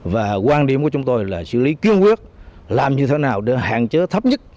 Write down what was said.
và quan điểm của chúng tôi là xử lý cương quyết làm như thế nào để hạn chế thấp nhất